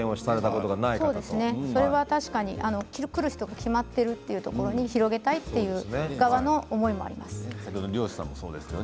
それは確かに来る人も決まっているというところに、広げたいという側の思いもありますね。